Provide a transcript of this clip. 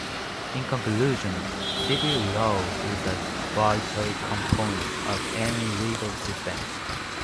In conclusion, civil law is a vital component of any legal system.